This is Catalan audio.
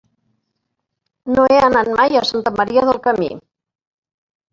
No he anat mai a Santa Maria del Camí.